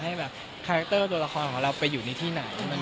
ตัวละครของของเราไปอยู่ในที่ไหน